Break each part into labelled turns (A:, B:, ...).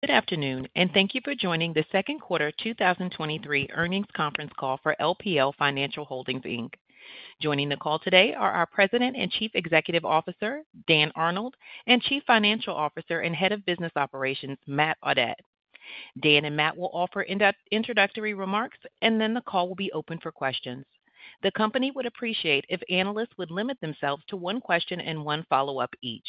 A: Good afternoon, and thank you for joining the second quarter 2023 earnings Conference Call for LPL Financial Holdings Inc. Joining the call today are our President and Chief Executive Officer, Dan Arnold, and Chief Financial Officer and Head of Business Operations, Matt Audette. Dan and Matt will offer introductory remarks, and then the call will be open for questions. The company would appreciate if analysts would limit themselves to one question and one follow-up each.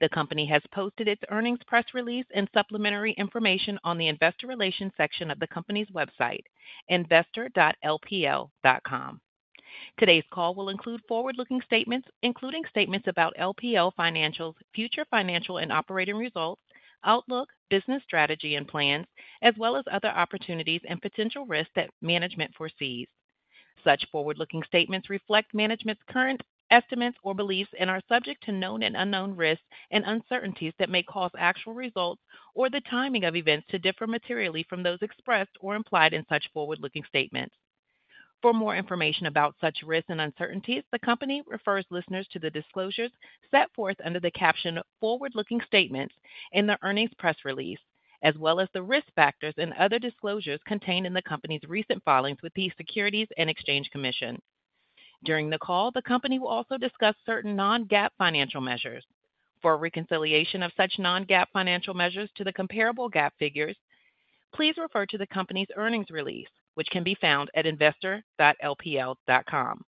A: The company has posted its earnings press release and supplementary information on the investor relations section of the company's website, investor.lpl.com. Today's call will include forward-looking statements, including statements about LPL Financial's future financial and operating results, outlook, business strategy and plans, as well as other opportunities and potential risks that management foresees. Such forward-looking statements reflect management's current estimates or beliefs and are subject to known and unknown risks and uncertainties that may cause actual results or the timing of events to differ materially from those expressed or implied in such forward-looking statements. For more information about such risks and uncertainties, the company refers listeners to the disclosures set forth under the caption Forward-Looking Statements in the earnings press release, as well as the risk factors and other disclosures contained in the company's recent filings with the Securities and Exchange Commission. During the call, the company will also discuss certain non-GAAP financial measures. For a reconciliation of such non-GAAP financial measures to the comparable GAAP figures, please refer to the company's earnings release, which can be found at investor.lpl.com.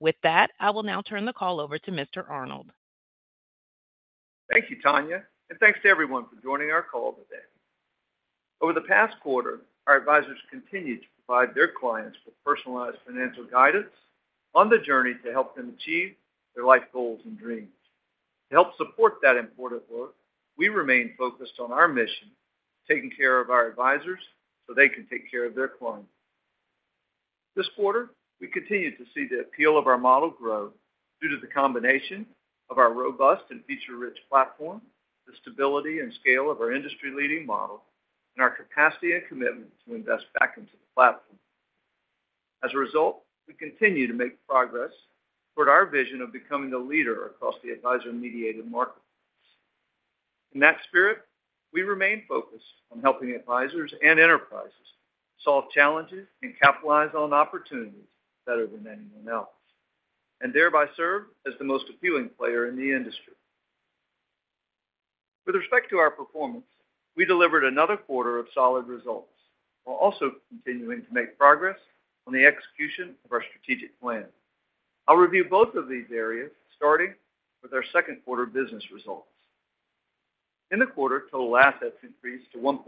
A: With that, I will now turn the call over to Mr. Arnold.
B: Thank you, Tanya, and thanks to everyone for joining our call today. Over the past quarter, our advisors continued to provide their clients with personalized financial guidance on the journey to help them achieve their life goals and dreams. To help support that important work, we remain focused on our mission, taking care of our advisors so they can take care of their clients. This quarter, we continued to see the appeal of our model grow due to the combination of our robust and feature-rich platform, the stability and scale of our industry-leading model, and our capacity and commitment to invest back into the platform. As a result, we continue to make progress toward our vision of becoming the leader across the advisor-mediated marketplace. In that spirit, we remain focused on helping advisors and enterprises solve challenges and capitalize on opportunities better than anyone else, thereby serve as the most appealing player in the industry. With respect to our performance, we delivered another quarter of solid results, while also continuing to make progress on the execution of our strategic plan. I'll review both of these areas, starting with our second quarter business results. In the quarter, total assets increased to $1.2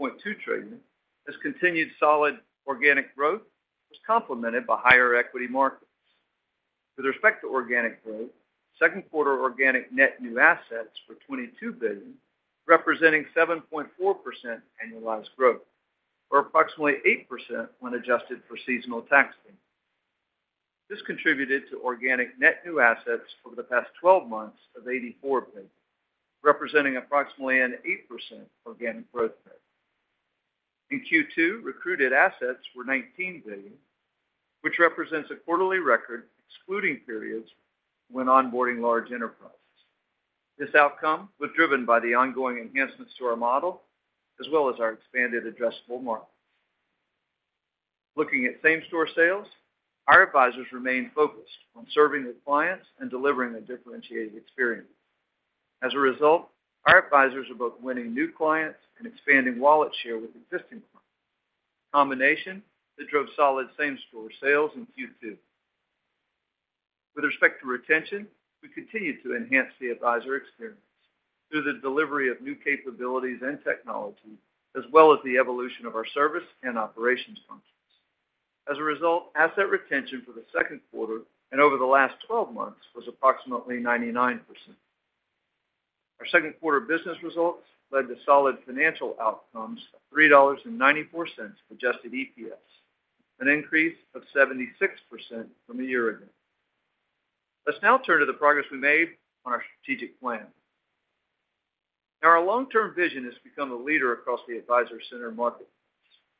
B: trillion, as continued solid organic growth was complemented by higher equity markets. With respect to organic growth, second quarter organic net new assets were $22 billion, representing 7.4% annualized growth, or approximately 8% when adjusted for seasonal tax payments. This contributed to organic net new assets over the past 12 months of $84 billion, representing approximately an 8% organic growth rate. In Q2, recruited assets were $19 billion, which represents a quarterly record, excluding periods when onboarding large enterprises. This outcome was driven by the ongoing enhancements to our model, as well as our expanded addressable market. Looking at same-store sales, our advisors remained focused on serving their clients and delivering a differentiated experience. As a result, our advisors are both winning new clients and expanding wallet share with existing clients, a combination that drove solid same-store sales in Q2. With respect to retention, we continued to enhance the advisor experience through the delivery of new capabilities and technology, as well as the evolution of our service and operations functions. As a result, asset retention for the second quarter and over the last 12 months was approximately 99%. Our second quarter business results led to solid financial outcomes of $3.94 adjusted EPS, an increase of 76% from a year ago. Let's now turn to the progress we made on our strategic plan. Now, our long-term vision is to become a leader across the advisor center market,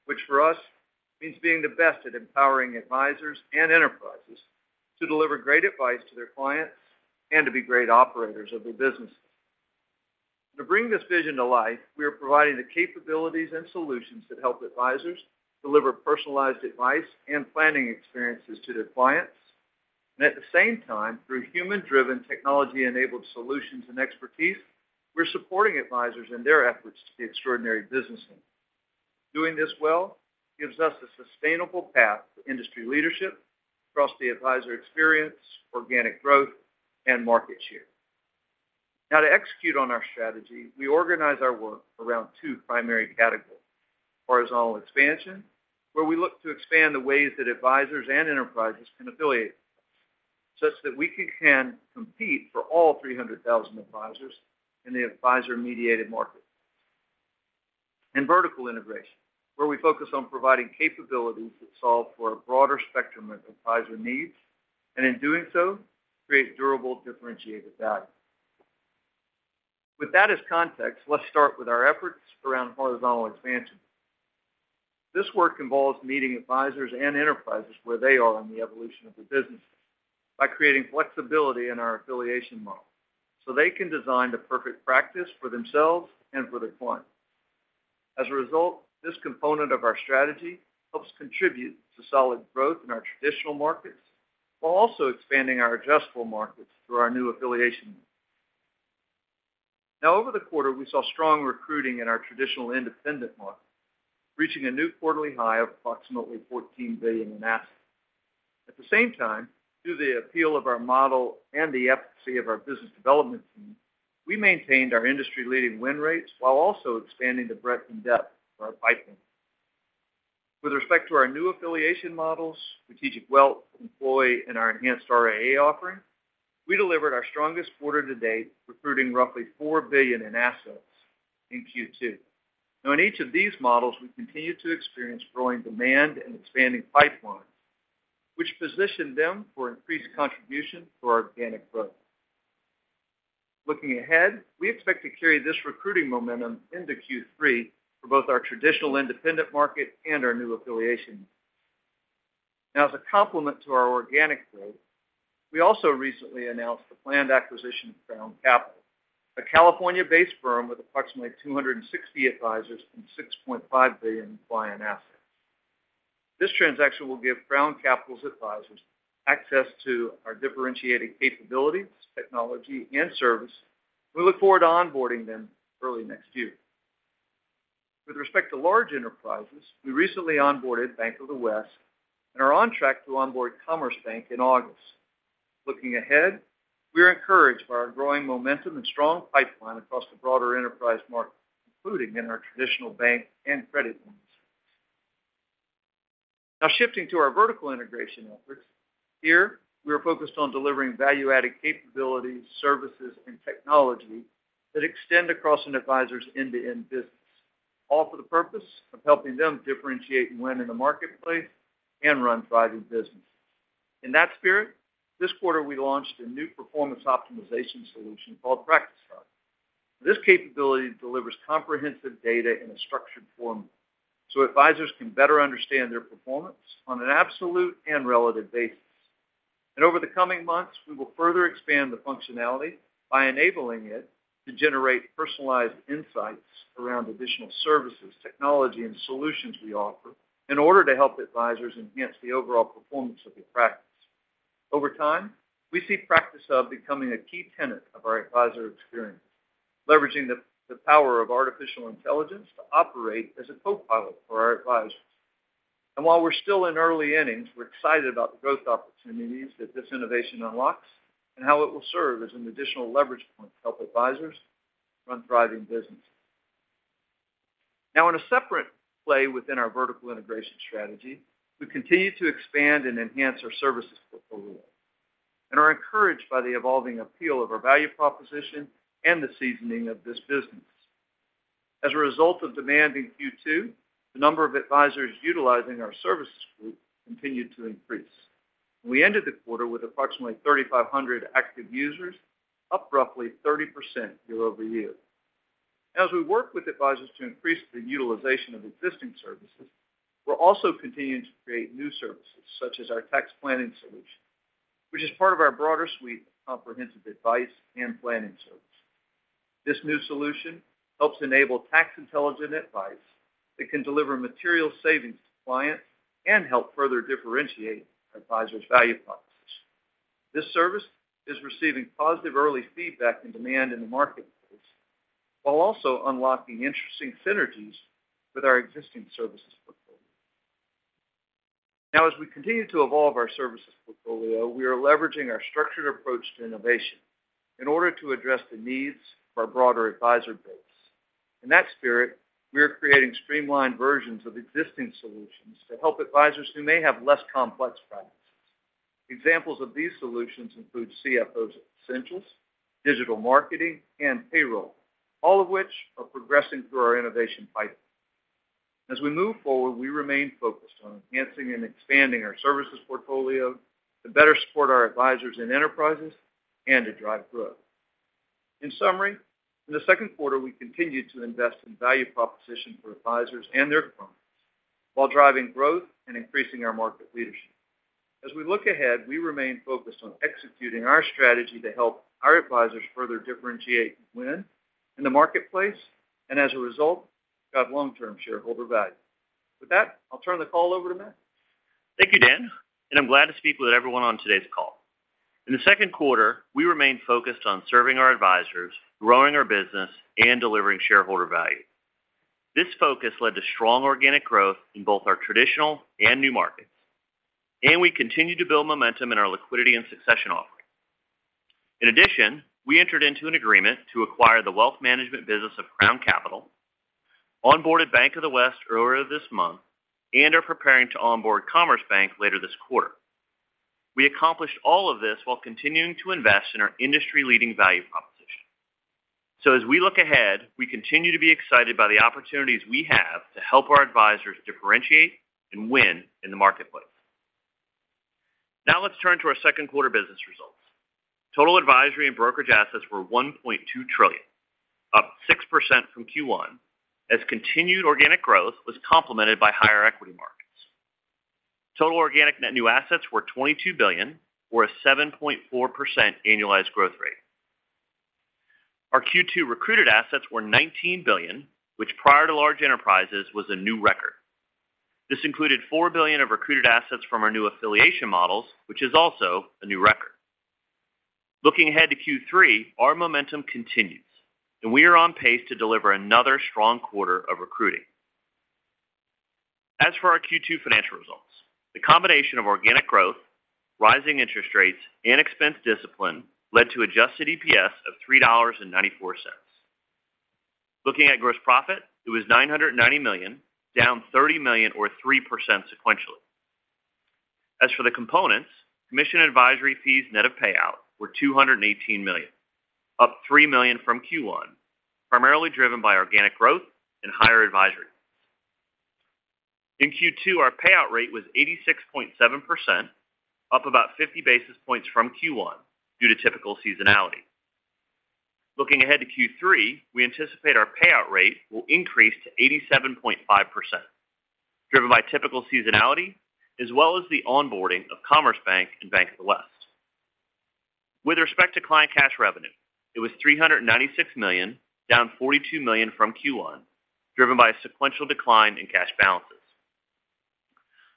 B: which for us means being the best at empowering advisors and enterprises to deliver great advice to their clients and to be great operators of their businesses. To bring this vision to life, we are providing the capabilities and solutions that help advisors deliver personalized advice and planning experiences to their clients. At the same time, through human-driven, technology-enabled solutions and expertise, we're supporting advisors in their efforts to be extraordinary businessmen. Doing this well gives us a sustainable path to industry leadership across the advisor experience, organic growth, and market share. Now, to execute on our strategy, we organize our work around two primary categories: horizontal expansion, where we look to expand the ways that advisors and enterprises can affiliate with us, such that we can compete for all 300,000 advisors in the advisor-mediated market. Vertical integration, where we focus on providing capabilities that solve for a broader spectrum of advisor needs, and in doing so, create durable, differentiated value. With that as context, let's start with our efforts around horizontal expansion. This work involves meeting advisors and enterprises where they are in the evolution of their business by creating flexibility in our affiliation model, so they can design the perfect practice for themselves and for their clients. As a result, this component of our strategy helps contribute to solid growth in our traditional markets, while also expanding our adjustable markets through our new affiliation. Now, over the quarter, we saw strong recruiting in our traditional independent market, reaching a new quarterly high of approximately $14 billion in assets. At the same time, due to the appeal of our model and the efficacy of our business development team, we maintained our industry-leading win rates while also expanding the breadth and depth of our pipeline. With respect to our new affiliation models, strategic wealth, employee, and our enhanced RIA offering, we delivered our strongest quarter to date, recruiting roughly $4 billion in assets in Q2. Now, in each of these models, we continue to experience growing demand and expanding pipelines, which position them for increased contribution to our organic growth. Looking ahead, we expect to carry this recruiting momentum into Q3 for both our traditional independent market and our new affiliation. As a complement to our organic growth, we also recently announced the planned acquisition of Crown Capital, a California-based firm with approximately 260 advisors and $6.5 billion in client assets. This transaction will give Crown Capital's advisors access to our differentiating capabilities, technology, and service. We look forward to onboarding them early next year. With respect to large enterprises, we recently onboarded Bank of the West and are on track to onboard Commerce Bank in August. Looking ahead, we are encouraged by our growing momentum and strong pipeline across the broader enterprise market, including in our traditional bank and credit unions. Shifting to our vertical integration efforts. Here, we are focused on delivering value-added capabilities, services, and technology that extend across an advisor's end-to-end business, all for the purpose of helping them differentiate and win in the marketplace and run thriving businesses. In that spirit, this quarter, we launched a new performance optimization solution called Practice Hub. This capability delivers comprehensive data in a structured format so advisors can better understand their performance on an absolute and relative basis. Over the coming months, we will further expand the functionality by enabling it to generate personalized insights around additional services, technology, and solutions we offer in order to help advisors enhance the overall performance of their practice. Over time, we see Practice Hub becoming a key tenet of our advisor experience, leveraging the power of artificial intelligence to operate as a copilot for our advisors. While we're still in early innings, we're excited about the growth opportunities that this innovation unlocks and how it will serve as an additional leverage point to help advisors run thriving businesses. Now, in a separate play within our vertical integration strategy, we continue to expand and enhance our services portfolio and are encouraged by the evolving appeal of our value proposition and the seasoning of this business. As a result of demand in Q2, the number of advisors utilizing our services group continued to increase. We ended the quarter with approximately 3,500 active users, up roughly 30% year-over-year. As we work with advisors to increase the utilization of existing services, we're also continuing to create new services, such as our tax planning solution, which is part of our broader suite of comprehensive advice and planning services. This new solution helps enable tax-intelligent advice that can deliver material savings to clients and help further differentiate our advisors' value propositions. This service is receiving positive early feedback and demand in the marketplace, while also unlocking interesting synergies with our existing services portfolio. Now, as we continue to evolve our services portfolio, we are leveraging our structured approach to innovation in order to address the needs of our broader advisor base. In that spirit, we are creating streamlined versions of existing solutions to help advisors who may have less complex practices. Examples of these solutions include CFO Essentials, digital marketing, and payroll, all of which are progressing through our innovation pipeline. As we move forward, we remain focused on enhancing and expanding our services portfolio to better support our advisors and enterprises and to drive growth. In summary, in the second quarter, we continued to invest in value proposition for advisors and their firms while driving growth and increasing our market leadership. As we look ahead, we remain focused on executing our strategy to help our advisors further differentiate and win in the marketplace and, as a result, drive long-term shareholder value. With that, I'll turn the call over to Matt.
C: Thank you, Dan. I'm glad to speak with everyone on today's call. In the second quarter, we remained focused on serving our advisors, growing our business, and delivering shareholder value. This focus led to strong organic growth in both our traditional and new markets. We continued to build momentum in our liquidity and succession offerings. In addition, we entered into an agreement to acquire the wealth management business of Crown Capital, onboarded Bank of the West earlier this month, and are preparing to onboard Commerce Bank later this quarter. We accomplished all of this while continuing to invest in our industry-leading value proposition. As we look ahead, we continue to be excited by the opportunities we have to help our advisors differentiate and win in the marketplace. Now let's turn to our second quarter business results. Total advisory and brokerage assets were $1.2 trillion, up 6% from Q1, as continued organic growth was complemented by higher equity markets. Total organic net new assets were $22 billion, or a 7.4% annualized growth rate. Our Q2 recruited assets were $19 billion, which, prior to large enterprises, was a new record. This included $4 billion of recruited assets from our new affiliation models, which is also a new record. Looking ahead to Q3, our momentum continues, and we are on pace to deliver another strong quarter of recruiting. As for our Q2 financial results, the combination of organic growth, rising interest rates, and expense discipline led to adjusted EPS of $3.94. Looking at gross profit, it was $990 million, down $30 million or 3% sequentially. As for the components, commission advisory fees net of payout were $218 million, up $3 million from Q1, primarily driven by organic growth and higher advisory. In Q2, our payout rate was 86.7%, up about 50 basis points from Q1 due to typical seasonality. Looking ahead to Q3, we anticipate our payout rate will increase to 87.5%, driven by typical seasonality, as well as the onboarding of Commerce Bank and Bank of the West. With respect to client cash revenue, it was $396 million, down $42 million from Q1, driven by a sequential decline in cash balances.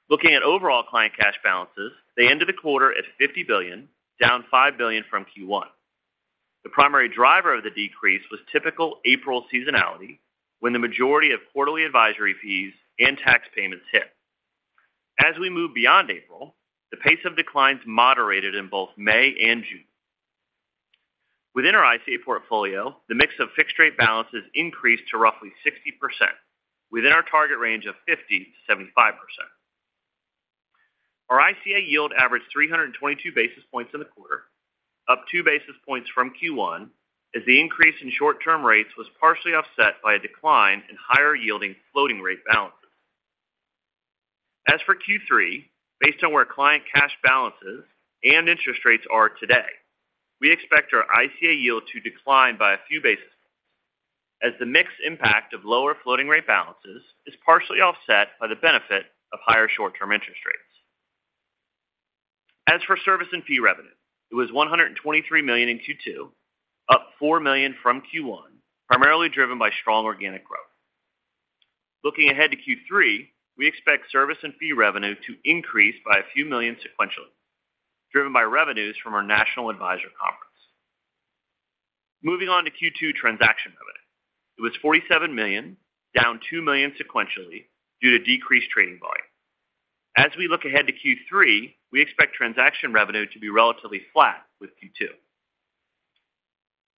C: Looking at overall client cash balances, they ended the quarter at $50 billion, down $5 billion from Q1. The primary driver of the decrease was typical April seasonality, when the majority of quarterly advisory fees and tax payments hit. As we move beyond April, the pace of declines moderated in both May and June. Within our ICA portfolio, the mix of fixed rate balances increased to roughly 60% within our target range of 50%-75%. Our ICA yield averaged 322 basis points in the quarter, up 2 basis points from Q1, as the increase in short-term rates was partially offset by a decline in higher-yielding floating rate balances. As for Q3, based on where client cash balances and interest rates are today, we expect our ICA yield to decline by a few basis points, as the mixed impact of lower floating rate balances is partially offset by the benefit of higher short-term interest rates. As for service and fee revenue, it was $123 million in Q2, up $4 million from Q1, primarily driven by strong organic growth. Looking ahead to Q3, we expect service and fee revenue to increase by a few million sequentially, driven by revenues from our National Advisor Conference. Moving on to Q2 transaction revenue. It was $47 million, down $2 million sequentially due to decreased trading volume. As we look ahead to Q3, we expect transaction revenue to be relatively flat with Q2.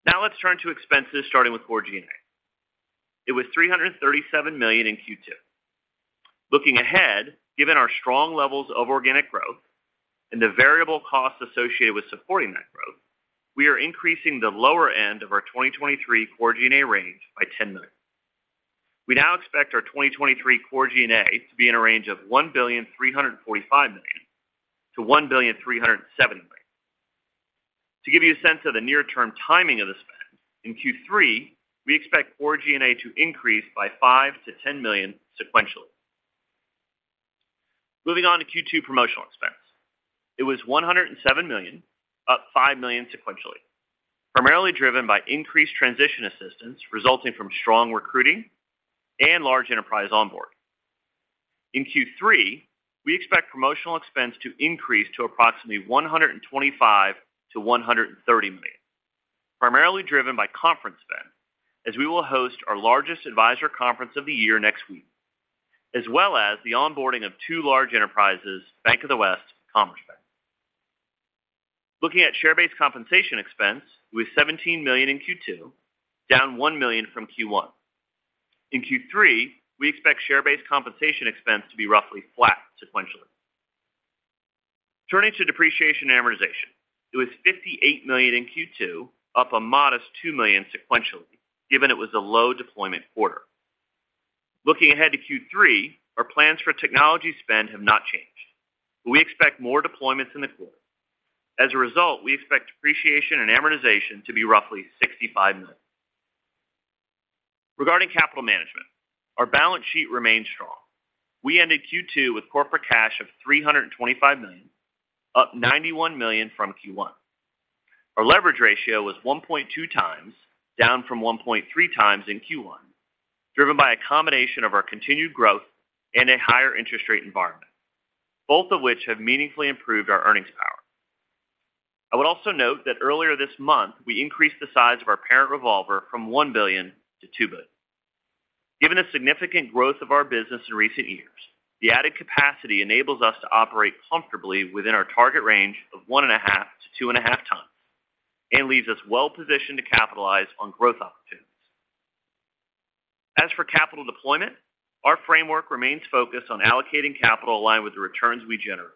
C: Now let's turn to expenses, starting with core G&A. It was $337 million in Q2. Looking ahead, given our strong levels of organic growth and the variable costs associated with supporting that growth, we are increasing the lower end of our 2023 core G&A range by $10 million. We now expect our 2023 core G&A to be in a range of $1,345 million-$1,370 million. To give you a sense of the near-term timing of the spend, in Q3, we expect core G&A to increase by $5 million-$10 million sequentially. Moving on to Q2 promotional expense. It was $107 million, up $5 million sequentially, primarily driven by increased transition assistance resulting from strong recruiting and large enterprise onboard. In Q3, we expect promotional expense to increase to approximately $125 million-$130 million, primarily driven by conference spend, as we will host our largest advisor conference of the year next week, as well as the onboarding of two large enterprises, Bank of the West and Commerce Bank. Looking at share-based compensation expense, it was $17 million in Q2, down $1 million from Q1. In Q3, we expect share-based compensation expense to be roughly flat sequentially. Turning to depreciation and amortization, it was $58 million in Q2, up a modest $2 million sequentially, given it was a low deployment quarter. Looking ahead to Q3, our plans for technology spend have not changed. We expect more deployments in the quarter. As a result, we expect depreciation and amortization to be roughly $65 million. Regarding capital management, our balance sheet remains strong. We ended Q2 with corporate cash of $325 million, up $91 million from Q1. Our leverage ratio was 1.2x, down from 1.3x in Q1, driven by a combination of our continued growth and a higher interest rate environment, both of which have meaningfully improved our earnings power. I would also note that earlier this month, we increased the size of our parent revolver from $1 billion to $2 billion. Given the significant growth of our business in recent years, the added capacity enables us to operate comfortably within our target range of 1.5 to 2.5 times, and leaves us well positioned to capitalize on growth opportunities. As for capital deployment, our framework remains focused on allocating capital aligned with the returns we generate,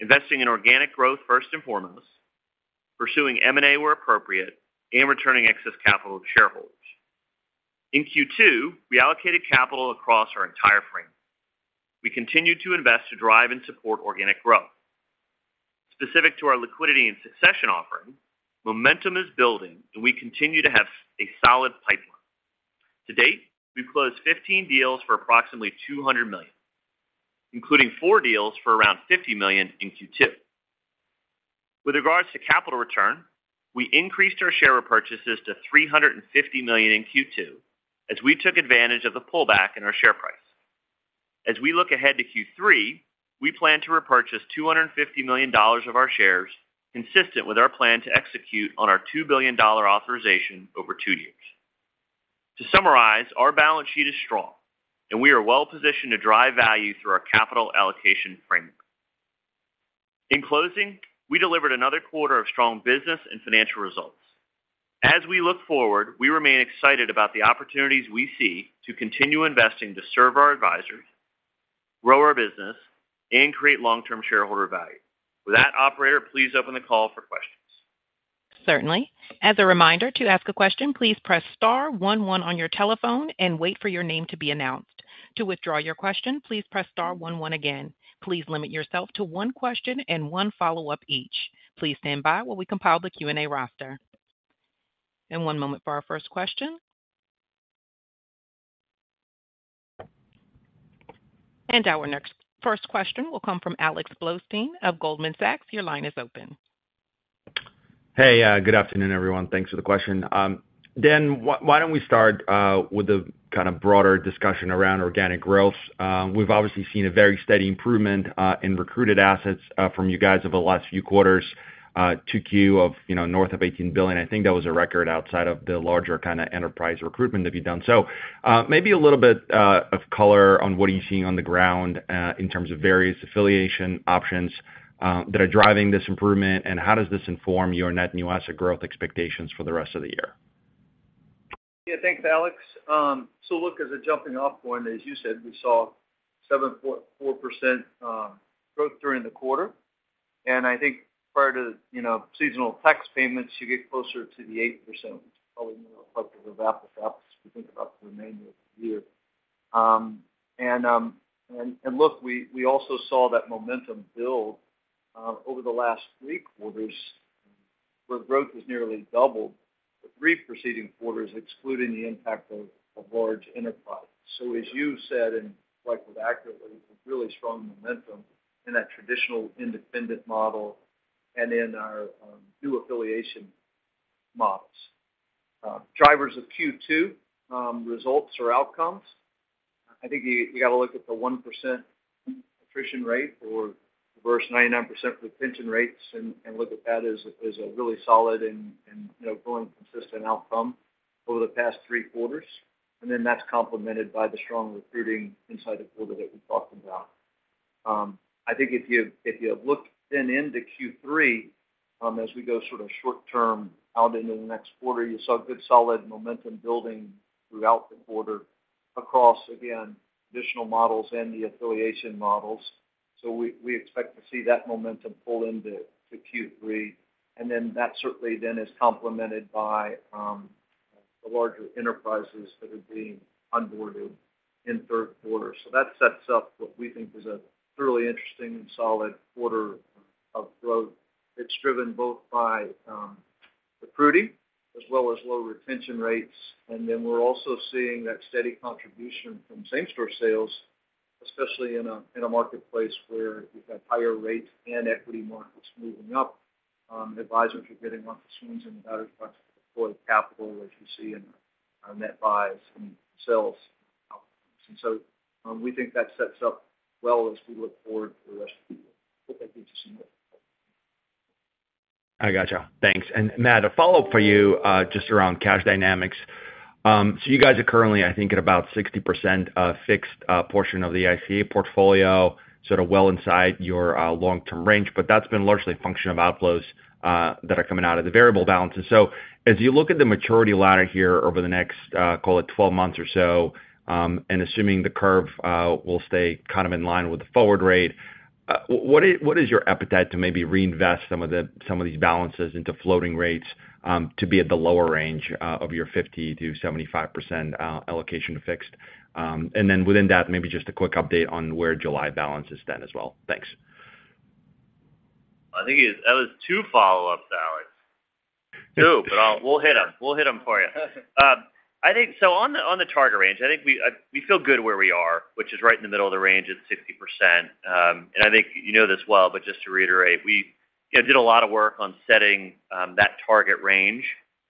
C: investing in organic growth first and foremost, pursuing M&A where appropriate, and returning excess capital to shareholders....In Q2, we allocated capital across our entire frame. We continued to invest to drive and support organic growth. Specific to our liquidity and succession offering, momentum is building, and we continue to have a solid pipeline. To date, we've closed 15 deals for approximately $200 million, including 4 deals for around $50 million in Q2. With regards to capital return, we increased our share repurchases to $350 million in Q2 as we took advantage of the pullback in our share price. We look ahead to Q3, we plan to repurchase $250 million of our shares, consistent with our plan to execute on our $2 billion authorization over two years. To summarize, our balance sheet is strong, and we are well-positioned to drive value through our capital allocation framework. In closing, we delivered another quarter of strong business and financial results. We look forward, we remain excited about the opportunities we see to continue investing to serve our advisors, grow our business, and create long-term shareholder value. With that, operator, please open the call for questions.
A: Certainly. As a reminder, to ask a question, please press star one, one on your telephone and wait for your name to be announced. To withdraw your question, please press star one, one again. Please limit yourself to one question and one follow-up each. Please stand by while we compile the Q&A roster. One moment for our first question. Our first question will come from Alex Blostein of Goldman Sachs. Your line is open.
D: Hey, good afternoon, everyone. Thanks for the question. Dan, why don't we start with the kind of broader discussion around organic growth? We've obviously seen a very steady improvement in recruited assets from you guys over the last few quarters to Q of, you know, north of $18 billion. I think that was a record outside of the larger kind of enterprise recruitment that you've done. Maybe a little bit of color on what are you seeing on the ground in terms of various affiliation options that are driving this improvement, and how does this inform your net new asset growth expectations for the rest of the year?
B: Yeah, thanks, Alex. So look, as a jumping off point, as you said, we saw 7.4% growth during the quarter. And I think prior to, you know, seasonal tax payments, you get closer to the 8%, which is probably more reflective of that, if you think about the remainder of the year. And, and look, we, we also saw that momentum build over the last 3 quarters, where growth was nearly doubled the 3 preceding quarters, excluding the impact of, of large enterprise. As you said, and reflected accurately, really strong momentum in that traditional independent model and in our new affiliation models. Drivers of Q2 results or outcomes, I think you, you got to look at the 1% attrition rate or reverse 99% retention rates, and look at that as, as a really solid and, you know, growing consistent outcome over the past 3 quarters. That's complemented by the strong recruiting inside the quarter that we talked about. I think if you, if you look then into Q3, as we go sort of short term out into the next quarter, you saw good, solid momentum building throughout the quarter across, again, traditional models and the affiliation models. We, we expect to see that momentum pull into, to Q3, and then that certainly then is complemented by the larger enterprises that are being onboarded in 3rd quarter. That sets up what we think is a really interesting and solid quarter of growth. It's driven both by recruiting as well as low retention rates. We're also seeing that steady contribution from same store sales, especially in a marketplace where you've got higher rates and equity markets moving up. Advisors are getting opportunities in better parts of deployed capital, which you see in our net buys and sells. We think that sets up well as we look forward to the rest of the year. Hope that gives you some more.
D: I got you. Thanks. Matt, a follow-up for you, just around cash dynamics. You guys are currently, I think, at about 60% fixed portion of the ICA portfolio, sort of well inside your long-term range, but that's been largely a function of outflows that are coming out of the variable balances. As you look at the maturity ladder here over the next 12 months or so, and assuming the curve will stay kind of in line with the forward rate, what is, what is your appetite to maybe reinvest some of the, some of these balances into floating rates, to be at the lower range of your 50%-75% allocation to fixed? Then within that, maybe just a quick update on where July balance is then as well. Thanks.
C: I think that was 2 follow-ups, Alex. 2, we'll hit them. We'll hit them for you. I think so on the, on the target range, I think we feel good where we are, which is right in the middle of the range at 60%. I think you know this well, but just to reiterate, we, you know, did a lot of work on setting that target range,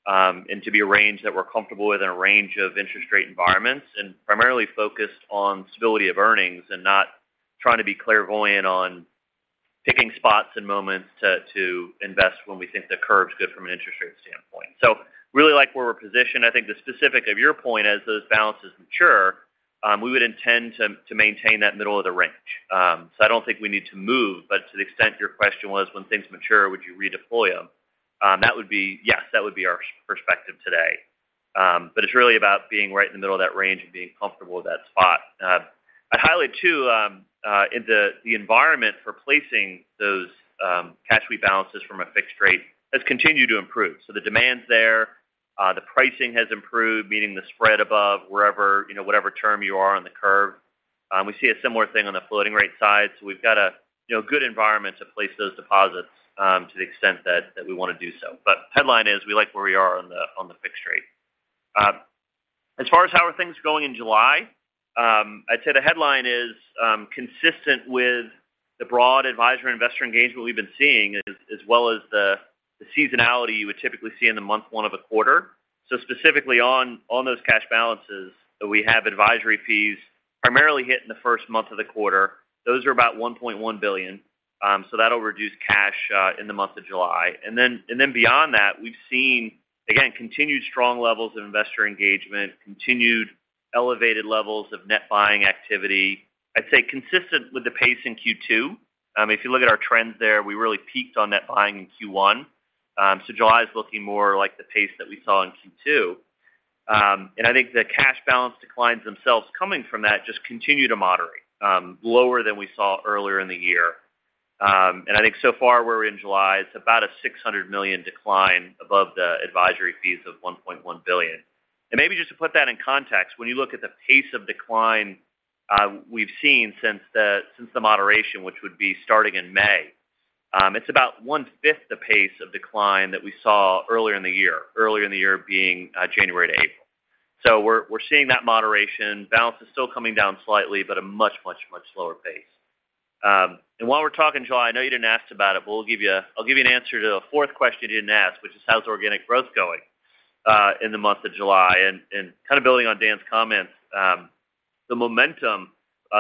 C: and to be a range that we're comfortable with in a range of interest rate environments, and primarily focused on stability of earnings and not trying to be clairvoyant on picking spots and moments to, to invest when we think the curve's good from an interest rate standpoint. Really like where we're positioned. I think the specific of your point, as those balances mature, we would intend to, to maintain that middle of the range. I don't think we need to move, but to the extent your question was when things mature, would you redeploy them? That would be... Yes, that would be our perspective today. It's really about being right in the middle of that range and being comfortable with that spot. I'd highlight, too, in the, the environment for placing those, cash rebalances from a fixed rate has continued to improve. The demand's there, the pricing has improved, meaning the spread above wherever, you know, whatever term you are on the curve. We see a similar thing on the floating rate side. We've got a, you know, good environment to place those deposits to the extent that, that we want to do so. Headline is, we like where we are on the, on the fixed rate. As far as how are things going in July, I'd say the headline is consistent with the broad advisor investor engagement we've been seeing, as, as well as the, the seasonality you would typically see in the month 1 of the quarter. Specifically on, on those cash balances, that we have advisory fees primarily hit in the first month of the quarter. Those are about $1.1 billion. That'll reduce cash in the month of July. Beyond that, we've seen continued strong levels of investor engagement, continued elevated levels of net buying activity, I'd say consistent with the pace in Q2. If you look at our trends there, we really peaked on net buying in Q1. July is looking more like the pace that we saw in Q2. I think the cash balance declines themselves coming from that just continue to moderate, lower than we saw earlier in the year. I think so far, we're in July, it's about a $600 million decline above the advisory fees of $1.1 billion. Maybe just to put that in context, when you look at the pace of decline, we've seen since the, since the moderation, which would be starting in May, it's about 1/5 the pace of decline that we saw earlier in the year, earlier in the year being, January to April. We're, we're seeing that moderation. Balance is still coming down slightly, but a much, much, much slower pace. While we're talking July, I know you didn't ask about it, but we'll give you I'll give you an answer to a fourth question you didn't ask, which is, how's organic growth going in the month of July? And kind of building on Dan's comments, the momentum,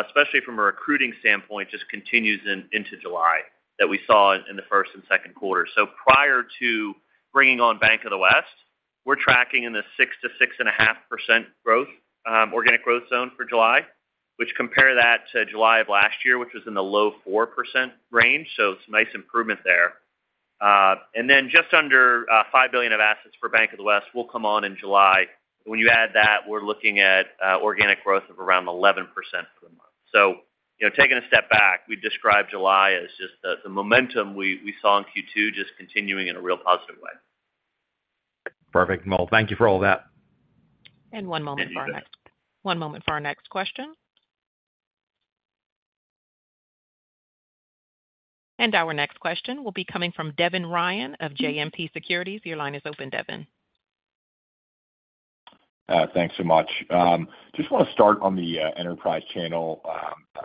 C: especially from a recruiting standpoint, just continues into July than we saw in, in the first and second quarter. Prior to bringing on Bank of the West, we're tracking in the 6% to 6.5% growth, organic growth zone for July, which compare that to July of last year, which was in the low 4% range. It's a nice improvement there. And then just under $5 billion of assets for Bank of the West will come on in July. When you add that, we're looking at organic growth of around 11% for the month. You know, taking a step back, we describe July as just the, the momentum we, we saw in Q2, just continuing in a real positive way.
D: Perfect. Well, thank you for all that.
A: One moment for our next question. Our next question will be coming from Devin Ryan of JMP Securities. Your line is open, Devin.
E: Thanks so much. just want to start on the enterprise channel.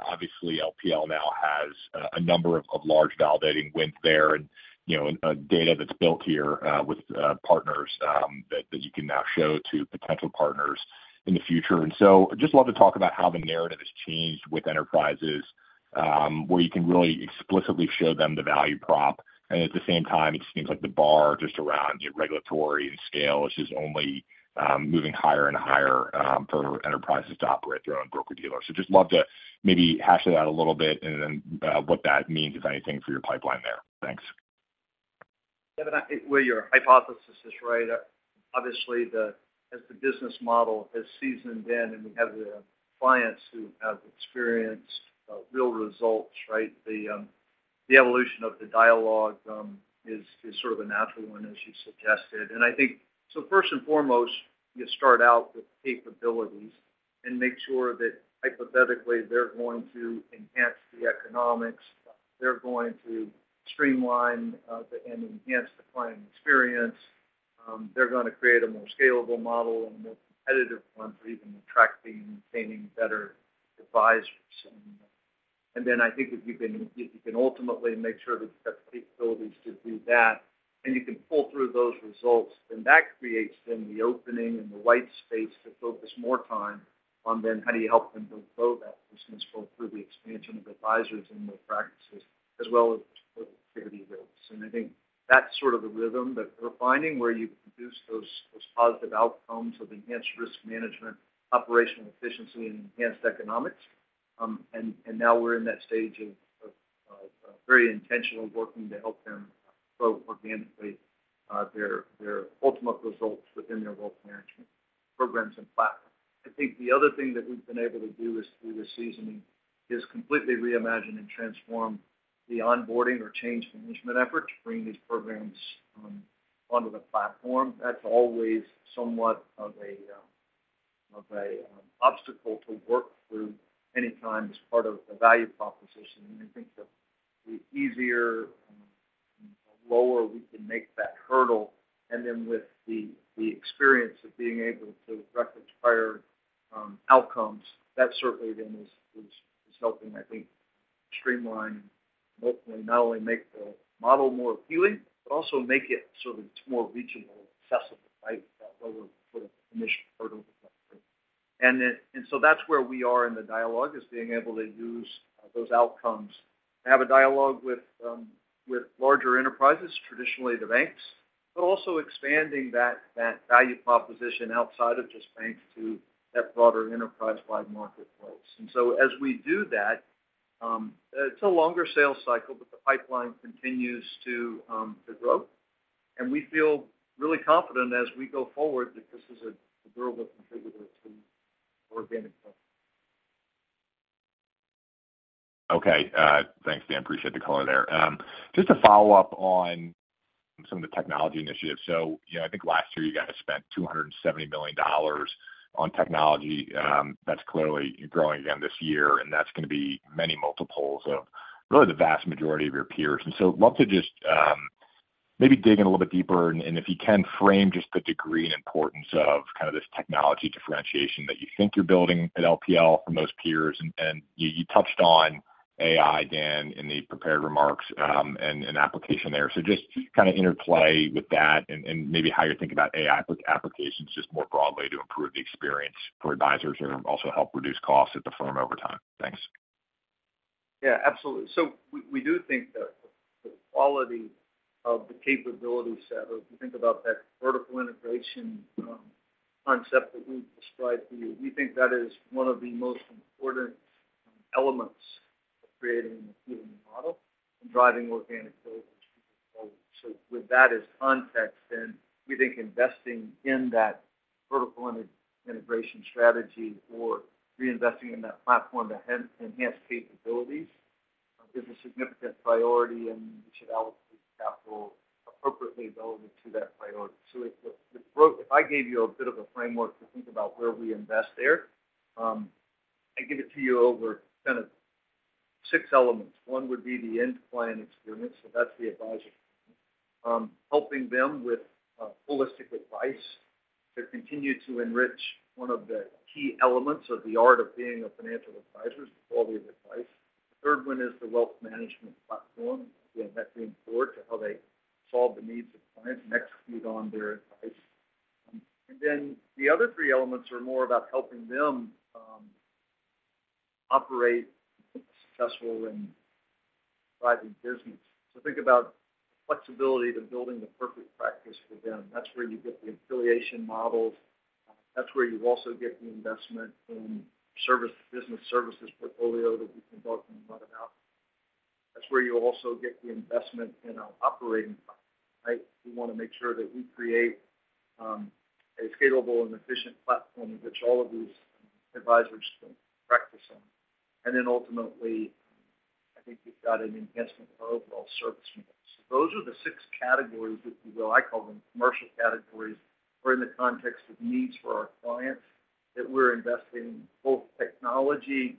E: obviously, LPL now has, a number of, of large validating wins there and, you know, data that's built here, with, partners, that, that you can now show to potential partners in the future. I'd just love to talk about how the narrative has changed with enterprises, where you can really explicitly show them the value prop. At the same time, it just seems like the bar just around regulatory and scale is just only moving higher and higher for enterprises to operate their own broker-dealers. just love to maybe hash that out a little bit and then what that means, if anything, for your pipeline there. Thanks.
B: Devin, I think, well, your hypothesis is right. Obviously, as the business model has seasoned in, and we have the clients who have experienced, real results, right? The evolution of the dialogue is sort of a natural one, as you suggested. I think, so first and foremost, you start out with capabilities and make sure that hypothetically, they're going to enhance the economics, they're going to streamline, and enhance the client experience, they're gonna create a more scalable model and a more competitive one for even attracting and retaining better advisors. I think if you can, you can ultimately make sure that you've got the capabilities to do that, and you can pull through those results, then that creates then the opening and the white space to focus more time on then how do you help them build grow that business both through the expansion of advisors and their practices, as well as for security risks. I think that's sort of the rhythm that we're finding, where you produce those, those positive outcomes of enhanced risk management, operational efficiency, and enhanced economics. Now we're in that stage of, of, of very intentionally working to help them grow organically, their, their ultimate results within their wealth management programs and platform. I think the other thing that we've been able to do is through the seasoning, is completely reimagine and transform the onboarding or change management effort to bring these programs onto the platform. That's always somewhat of a, of a obstacle to work through anytime as part of the value proposition. I think the, the easier and lower we can make that hurdle, and then with the, the experience of being able to reference prior outcomes, that certainly then is, is, is helping, I think, streamline, ultimately, not only make the model more appealing, but also make it so that it's more reachable, accessible, right? Lower sort of initial hurdle. That's where we are in the dialogue, is being able to use those outcomes, have a dialogue with larger enterprises, traditionally the banks, but also expanding that, that value proposition outside of just banks to that broader enterprise-wide marketplace. As we do that, it's a longer sales cycle, but the pipeline continues to grow. We feel really confident as we go forward that this is a durable contributor to organic growth.
E: Okay. Thanks, Dan. Appreciate the color there. Just to follow up on some of the technology initiatives. You know, I think last year you guys spent $270 million on technology. That's clearly growing again this year, and that's going to be many multiples of really the vast majority of your peers. Love to just, maybe dig in a little bit deeper, and, and if you can, frame just the degree and importance of kind of this technology differentiation that you think you're building at LPL from those peers. And you, you touched on AI, Dan, in the prepared remarks, and, and application there. Just kind of interplay with that and, and maybe how you think about AI with applications just more broadly to improve the experience for advisors and also help reduce costs at the firm over time. Thanks.
B: Yeah, absolutely. We, we do think that the quality of the capability set, if you think about that vertical integration concept that we've described to you, we think that is one of the most important elements of creating an appealing model and driving organic growth. With that as context, then, we think investing in that vertical integration strategy or reinvesting in that platform to enhance capabilities is a significant priority, and we should allocate capital appropriately relevant to that priority. If, if I gave you a bit of a framework to think about where we invest there, I'd give it to you over kind of six elements. One would be the end client experience, so that's the advisor. Helping them with holistic advice to continue to enrich one of the key elements of the art of being a financial advisor is the quality of advice. Third one is the wealth management platform. Again, that's important to how they solve the needs of clients and execute on their advice. Then the other three elements are more about helping them operate successful and thriving business. Think about flexibility to building the perfect practice for them. That's where you get the affiliation models. That's where you also get the investment in service, business services portfolio that we can build and run about. That's where you also get the investment in our operating platform, right? We want to make sure that we create a scalable and efficient platform in which all of these advisors can practice on. Ultimately, I think you've got an investment in our overall service mix. Those are the six categories, if you will. I call them commercial categories, or in the context of needs for our clients, that we're investing both technology,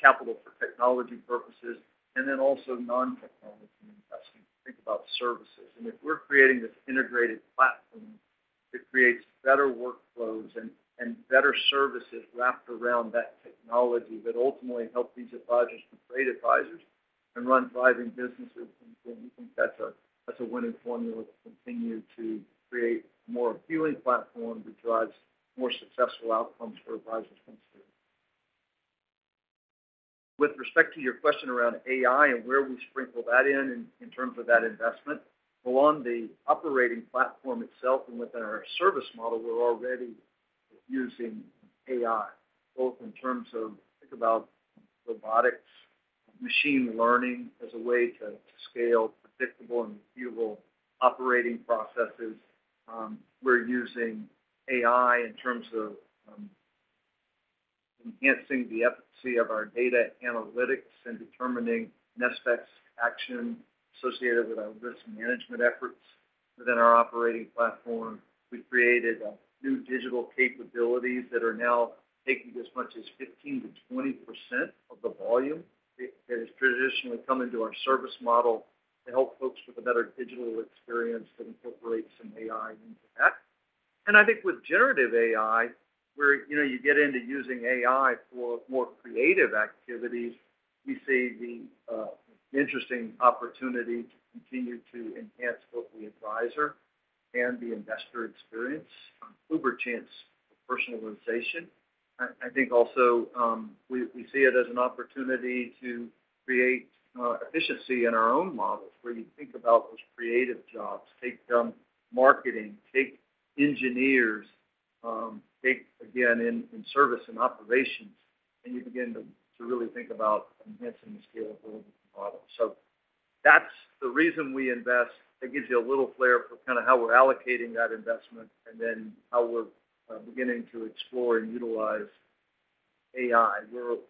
B: capital for technology purposes and then also non-technology investing. Think about services. If we're creating this integrated platform that creates better workflows and, and better services wrapped around that technology that ultimately help these advisors to create advisors and run thriving businesses, then we think that's a, that's a winning formula to continue to create more appealing platform that drives more successful outcomes for advisors from us. With respect to your question around AI and where we sprinkle that in, in terms of that investment, well, on the operating platform itself and within our service model, we're already using AI, both in terms of, think about robotics, machine learning as a way to scale predictable and repeatable operating processes. We're using AI in terms of enhancing the efficacy of our data analytics and determining next best action associated with our risk management efforts. Within our operating platform, we've created new digital capabilities that are now taking as much as 15%-20% of the volume that has traditionally come into our service model to help folks with a better digital experience that incorporates some AI into that. I think with generative AI, where, you know, you get into using AI for more creative activities, we see the interesting opportunity to continue to enhance both the advisor and the investor experience, uber chance for personalization. I, I think also, we, we see it as an opportunity to create efficiency in our own models, where you think about those creative jobs, take marketing, take engineers, take again in, in service and operations, and you begin to, to really think about enhancing the scalability of the model. That's the reason we invest. That gives you a little flair for kind of how we're allocating that investment and then how we're beginning to explore and utilize AI.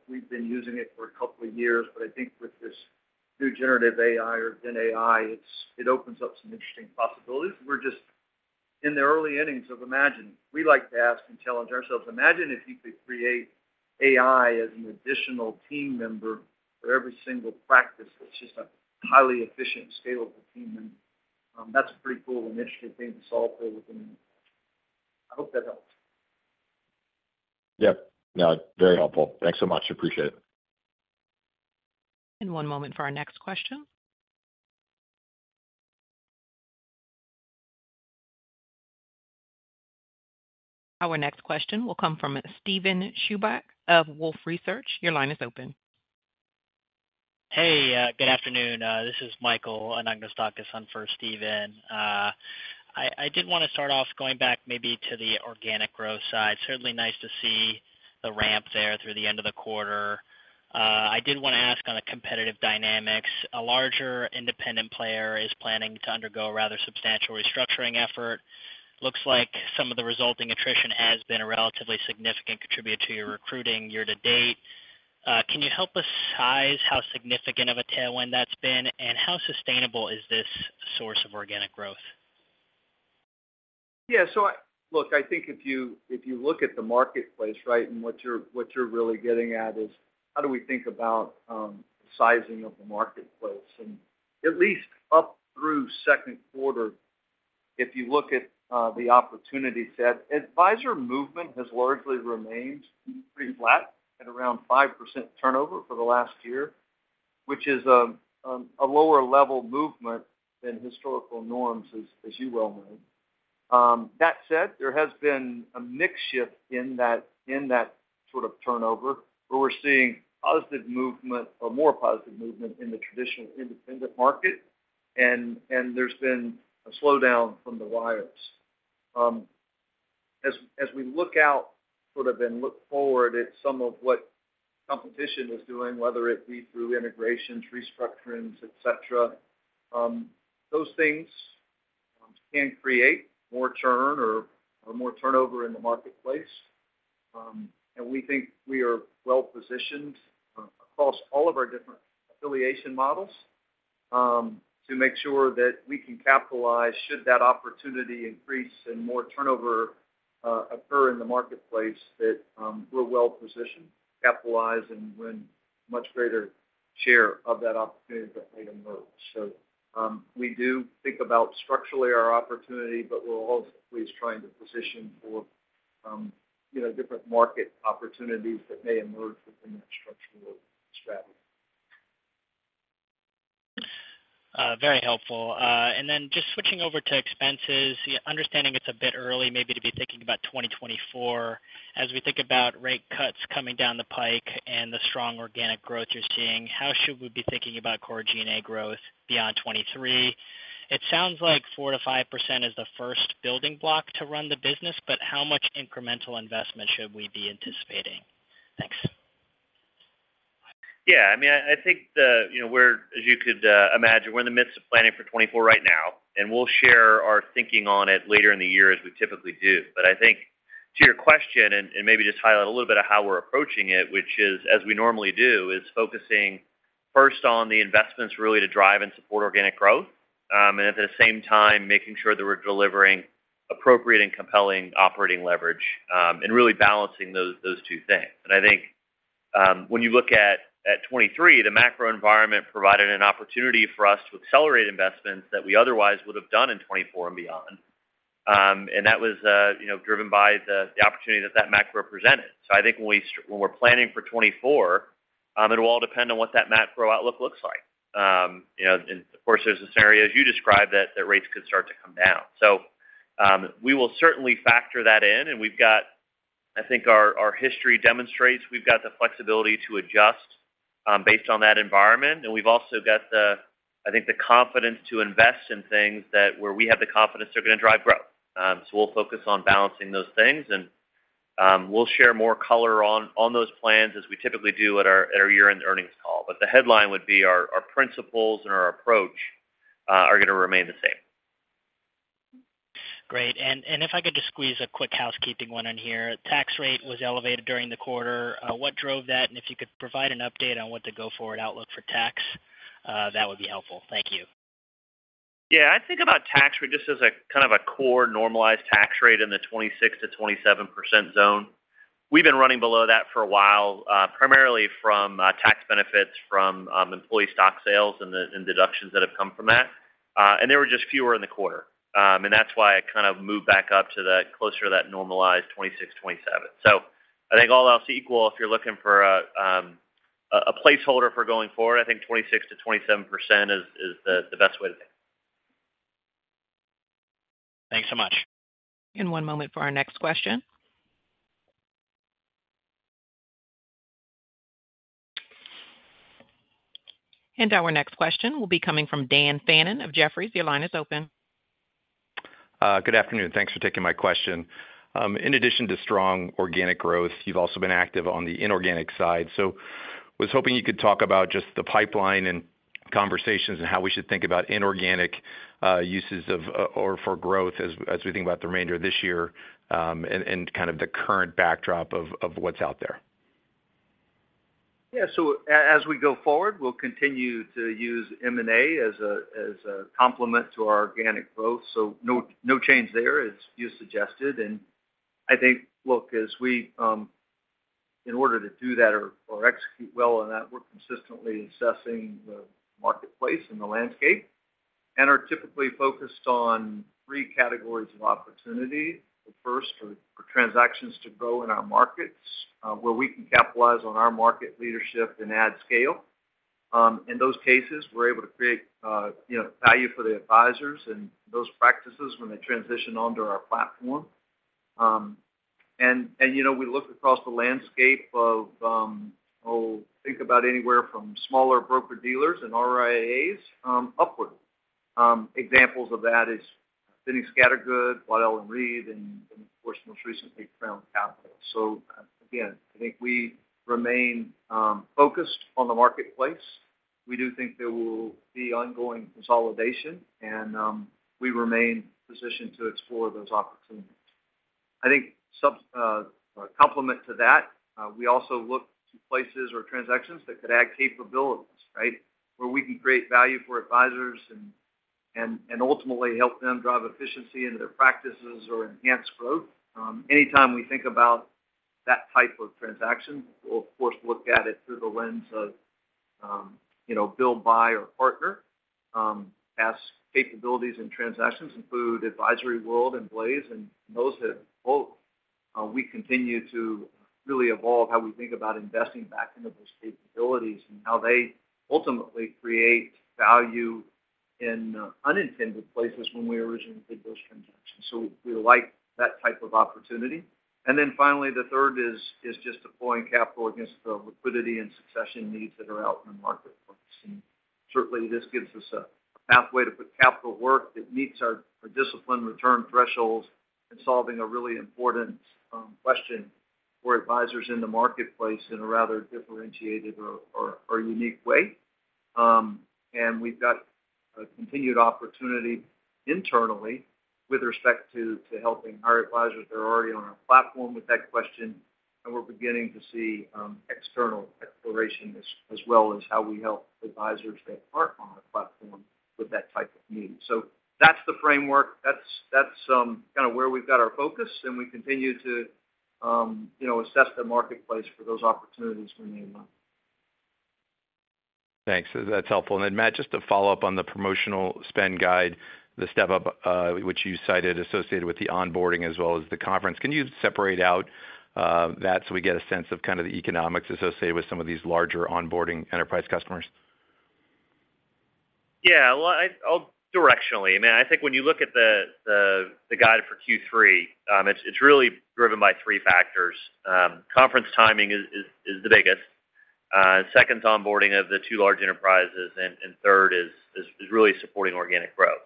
B: We've been using it for a couple of years, but I think with this new generative AI or gen AI, it opens up some interesting possibilities. We're just in the early innings of imagine. We like to ask and challenge ourselves. Imagine if you could create AI as an additional team member for every single practice. It's just a highly efficient, scalable team member. That's a pretty cool initiative thing to solve for within. I hope that helps.
E: Yep. No, very helpful. Thanks so much. Appreciate it.
A: One moment for our next question. Our next question will come from Steven Chubak of Wolfe Research. Your line is open.
F: Hey, good afternoon. This is Michael, and I'm going to talk this on for Steven. I, I did want to start off going back maybe to the organic growth side. Certainly nice to see the ramp there through the end of the quarter. I did want to ask on the competitive dynamics. A larger independent player is planning to undergo a rather substantial restructuring effort. Looks like some of the resulting attrition has been a relatively significant contributor to your recruiting year to date. Can you help us size how significant of a tailwind that's been, and how sustainable is this source of organic growth?
C: Yeah, so look, I think if you, if you look at the marketplace, right, and what you're, what you're really getting at is, how do we think about sizing of the marketplace? At least up through second quarter, if you look at the opportunity set, advisor movement has largely remained pretty flat at around 5% turnover for the last year, which is a lower-level movement than historical norms, as, as you well know. That said, there has been a mix shift in that, in that sort of turnover, where we're seeing positive movement or more positive movement in the traditional independent market, and there's been a slowdown from the wires. As, as we look out, and look forward at some of what competition is doing, whether it be through integrations, restructurings, et cetera, those things can create more churn or, or more turnover in the marketplace. We think we are well positioned across all of our different affiliation models, to make sure that we can capitalize, should that opportunity increase and more turnover, occur in the marketplace, that, we're well positioned to capitalize and win much greater share of that opportunity that may emerge. We do think about structurally our opportunity, but we're also always trying to position for, you know, different market opportunities that may emerge within that structural strategy.
F: Very helpful. Then just switching over to expenses, understanding it's a bit early maybe to be thinking about 2024. As we think about rate cuts coming down the pike and the strong organic growth you're seeing, how should we be thinking about core G&A growth beyond 2023? It sounds like 4%-5% is the first building block to run the business, but how much incremental investment should we be anticipating? Thanks.
C: Yeah, I mean, I, I think the, you know, we're, as you could imagine, we're in the midst of planning for 2024 right now, and we'll share our thinking on it later in the year, as we typically do. I think to your question, and, and maybe just highlight a little bit of how we're approaching it, which is, as we normally do, is focusing first on the investments, really, to drive and support organic growth, and at the same time, making sure that we're delivering appropriate and compelling operating leverage, and really balancing those, those two things. I think, when you look at, at 2023, the macro environment provided an opportunity for us to accelerate investments that we otherwise would have done in 2024 and beyond. And that was, you know, driven by the, the opportunity that that macro represented. I think when we start-- when we're planning for 2024, it'll all depend on what that macro outlook looks like. You know, of course, there's a scenario, as you described, that, that rates could start to come down. We will certainly factor that in, and we've got, I think our, our history demonstrates we've got the flexibility to adjust based on that environment. We've also got the, I think, the confidence to invest in things that where we have the confidence they're going to drive growth. We'll focus on balancing those things, and we'll share more color on, on those plans as we typically do at our, at our year-end earnings call. The headline would be our, our principles and our approach are going to remain the same.
F: Great. If I could just squeeze a quick housekeeping one in here. Tax rate was elevated during the quarter. What drove that? If you could provide an update on what the go-forward outlook for tax, that would be helpful. Thank you.
C: Yeah, I think about tax rate just as a kind of a core normalized tax rate in the 26%-27% zone. We've been running below that for a while, primarily from tax benefits from employee stock sales and the, and deductions that have come from that. There were just fewer in the quarter. That's why I kind of moved back up to that, closer to that normalized 26%, 27%. I think all else equal, if you're looking for a, a placeholder for going forward, I think 26%-27% is, is the, the best way to think.
F: Thanks so much.
A: One moment for our next question. Our next question will be coming from Dan Fannon of Jefferies. Your line is open.
G: Good afternoon. Thanks for taking my question. In addition to strong organic growth, you've also been active on the inorganic side. I was hoping you could talk about just the pipeline and conversations and how we should think about inorganic uses of, or for growth as we think about the remainder of this year, and kind of the current backdrop of what's out there.
B: Yeah, as we go forward, we'll continue to use M&A as a complement to our organic growth. No, no change there, as you suggested. I think, look, as we in order to do that or, or execute well on that, we're consistently assessing the marketplace and the landscape, and are typically focused on three categories of opportunity. The first are for transactions to grow in our markets, where we can capitalize on our market leadership and add scale. In those cases, we're able to create, you know, value for the advisors and those practices when they transition onto our platform. And, and, you know, we look across the landscape of think about anywhere from smaller broker-dealers and RIAs, upward. Examples of that is Boenning & Scattergood, Waddell & Reed, and of course, most recently, Crown Capital. Again, I think we remain focused on the marketplace. We do think there will be ongoing consolidation, and we remain positioned to explore those opportunities. I think sub or complement to that, we also look to places or transactions that could add capabilities, right? Where we can create value for advisors and, and, and ultimately help them drive efficiency into their practices or enhance growth. Anytime we think about that type of transaction, we'll of course, look at it through the lens of, you know, build, buy, or partner. Past capabilities and transactions include AdvisoryWorld and Blaze, and those have both, we continue to really evolve how we think about investing back into those capabilities and how they ultimately create value in unintended places when we originally did those transactions. We like that type of opportunity. Then finally, the third is, is just deploying capital against the liquidity and succession needs that are out in the marketplace. Certainly, this gives us a, a pathway to put capital to work that meets our disciplined return thresholds and solving a really important question for advisors in the marketplace in a rather differentiated or, or, or unique way. We've got a continued opportunity internally with respect to, to helping our advisors that are already on our platform with that question, and we're beginning to see external exploration as, as well as how we help advisors that aren't on our platform with that type of need. That's the framework. That's, that's kind of where we've got our focus, and we continue to, you know, assess the marketplace for those opportunities when they arrive.
G: Thanks. That's helpful. Then, Matt, just to follow up on the promotional spend guide, the step-up, which you cited, associated with the onboarding as well as the conference. Can you separate out, that, so we get a sense of kind of the economics associated with some of these larger onboarding enterprise customers?
C: Yeah, well, directionally, I mean, I think when you look at the guide for Q3, it's really driven by 3 factors. Conference timing is the biggest. Second's onboarding of the 2 large enterprises, and third is really supporting organic growth.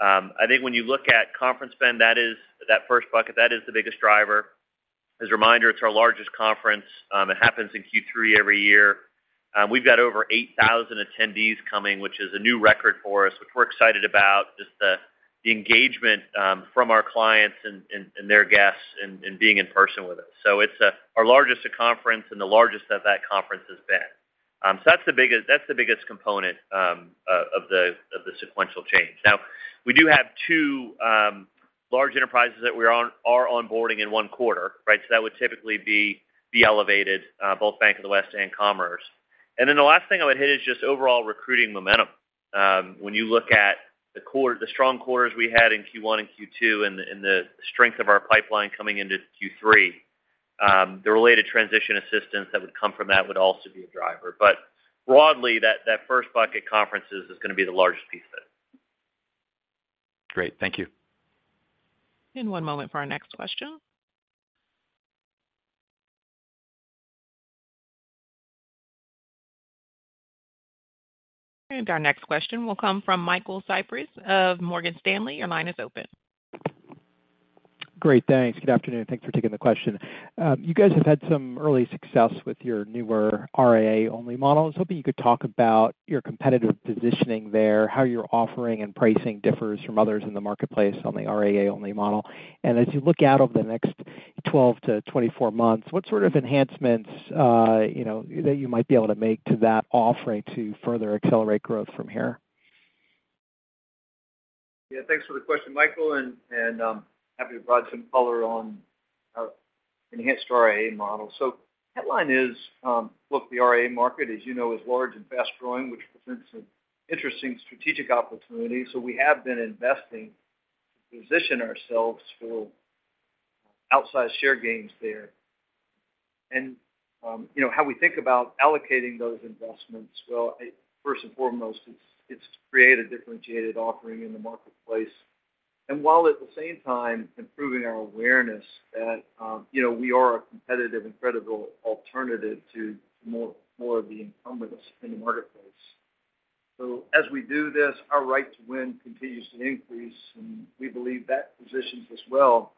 C: I think when you look at conference spend, that first bucket, that is the biggest driver. As a reminder, it's our largest conference. It happens in Q3 every year. We've got over 8,000 attendees coming, which is a new record for us, which we're excited about, just the engagement from our clients and their guests in being in person with us. It's our largest conference and the largest that that conference has been. That's the biggest, that's the biggest component of the sequential change. We do have 2 large enterprises that we are onboarding in 1 quarter, right? That would typically be elevated, both Bank of the West and Commerce. The last thing I would hit is just overall recruiting momentum. When you look at the quarter, the strong quarters we had in Q1 and Q2 and the strength of our pipeline coming into Q3, the related transition assistance that would come from that would also be a driver. Broadly, that first bucket conferences is going to be the largest piece of it.
G: Great. Thank you.
A: One moment for our next question. Our next question will come from Michael Cyprys of Morgan Stanley. Your line is open.
H: Great. Thanks. Good afternoon. Thanks for taking the question. You guys have had some early success with your newer RIA-only model. I was hoping you could talk about your competitive positioning there, how your offering and pricing differs from others in the marketplace on the RIA-only model, and as you look out over the next 12 to 24 months, what sort of enhancements, you know, that you might be able to make to that offering to further accelerate growth from here?
B: Yeah, thanks for the question, Michael, and, and happy to provide some color on enhanced RIA model. Headline is, look, the RIA market, as you know, is large and fast-growing, which presents an interesting strategic opportunity. We have been investing to position ourselves for outsized share gains there. You know, how we think about allocating those investments, well, first and foremost, it's, it's to create a differentiated offering in the marketplace. While at the same time, improving our awareness that, you know, we are a competitive and credible alternative to more, more of the incumbents in the marketplace. As we do this, our right to win continues to increase, and we believe that positions us well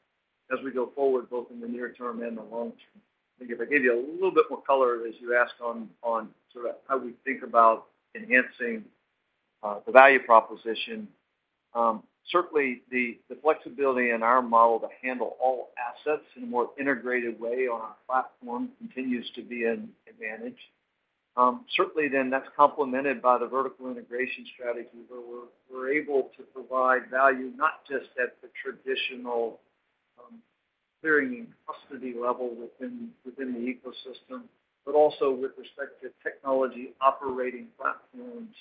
B: as we go forward, both in the near term and the long term. I think if I gave you a little bit more color, as you asked on, on sort of how we think about enhancing the value proposition, certainly the flexibility in our model to handle all assets in a more integrated way on our platform continues to be an advantage. That's complemented by the vertical integration strategy, where we're, we're able to provide value not just at the traditional clearing and custody level within, within the ecosystem, but also with respect to technology operating platforms,